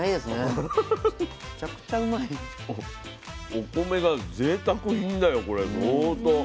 お米がぜいたく品だよこれ相当。